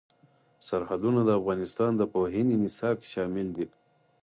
سرحدونه د افغانستان د پوهنې نصاب کې شامل دي.